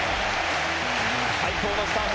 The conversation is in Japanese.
最高のスタート